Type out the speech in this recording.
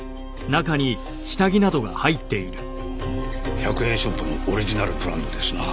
１００円ショップのオリジナルブランドですな。